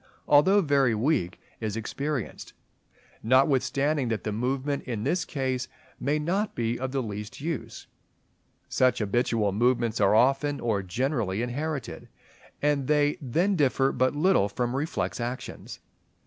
although very weak, is experienced; notwithstanding that the movement in this case may not be of the least use. Such habitual movements are often, or generally inherited; and they then differ but little from reflex actions.